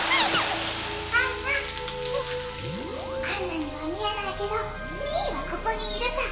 杏奈には見えないけどミーはここにいるさ。